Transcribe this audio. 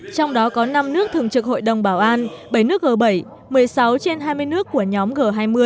trong đó có năm nước thường trực hội đồng bảo an bảy nước g bảy một mươi sáu trên hai mươi nước của nhóm g hai mươi